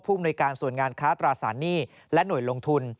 มนุยการส่วนงานค้าตราสารหนี้และหน่วยลงทุน